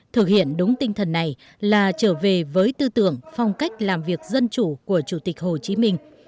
thực hiện đúng tinh thần này là trở về với tư tưởng phong cách làm việc dân chủ của chủ tịch hồ chí minh